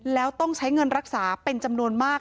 แล้วต้องใช้เงินรักษาเป็นจำนวนมาก